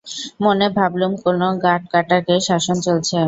মনে ভাবলুম, কোনো গাঁটকাটাকে শাসন চলছে।